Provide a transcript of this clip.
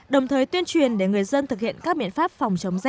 đồng thời tuyên truyền để người dân thực hiện các biện pháp phòng chống rét